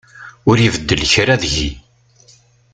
Ur ibeddel kra deg-i.